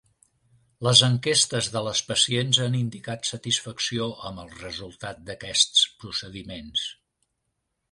Les enquestes de les pacients han indicat satisfacció amb el resultat d'aquests procediments.